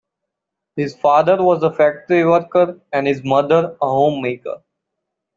His father was a factory worker and his mother a homemaker.